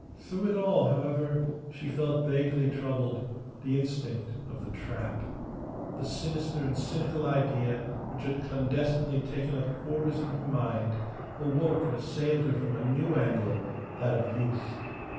Through it all, however, she felt vaguely troubled; the instinct of the trap. The sinister and cynical idea which had clandestinely taken up quarters in her mind awoke and assailed her from a new angle, that of youth.